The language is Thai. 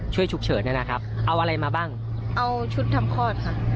ฉุกเฉินเนี่ยนะครับเอาอะไรมาบ้างเอาชุดทำคลอดค่ะ